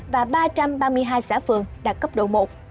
và ba trăm ba mươi hai xã phường đạt cấp độ một